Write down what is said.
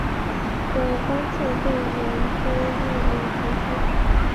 的观测队研究日冕辐射。